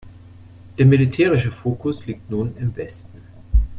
Der militärische Fokus liegt nun im Westen.